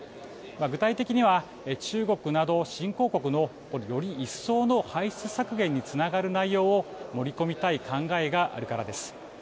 具体的には中国など、新興国のより一層の排出削減につながる内容を盛り込みたい考えがあるからです。